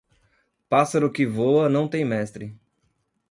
Pássaro que voa, não tem mestre.